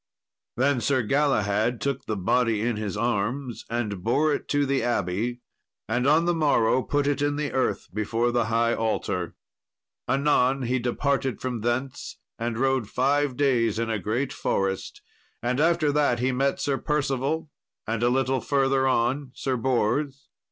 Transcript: Then Sir Galahad took the body in his arms and bore it to the abbey, and on the morrow put it in the earth before the high altar. Anon he departed from thence and rode five days in a great forest; and after that he met Sir Percival, and a little further on Sir Bors.